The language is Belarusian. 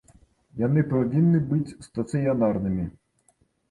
Яны павінны быць стацыянарнымі.